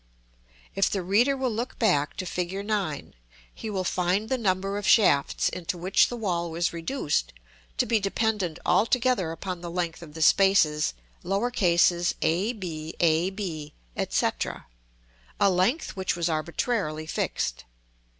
If the reader will look back to Fig. IX., he will find the number of shafts into which the wall was reduced to be dependent altogether upon the length of the spaces a, b, a, b, &c., a length which was arbitrarily fixed.